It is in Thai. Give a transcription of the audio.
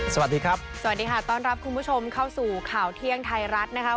สวัสดีครับสวัสดีค่ะต้อนรับคุณผู้ชมเข้าสู่ข่าวเที่ยงไทยรัฐนะคะ